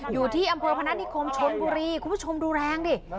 อยู่ที่อำเภอพนัฐนิคมชนบุรีคุณผู้ชมดูแรงดิ